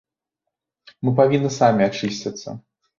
Мы павінны самі ачысціцца.